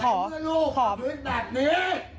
ไม่เมื่อลูกก็พืชแบบนี้